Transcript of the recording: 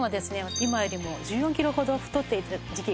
今よりも１４キロほど太っていた時期が。